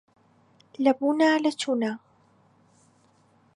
لە بوونا لە چوونا